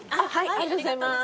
ありがとうございます。